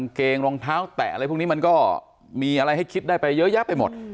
เกงรองเท้าแตะอะไรพวกนี้มันก็มีอะไรให้คิดได้ไปเยอะแยะไปหมด